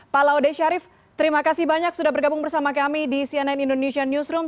pak laude sharif terima kasih banyak sudah bergabung bersama kami di cnn indonesia newsroom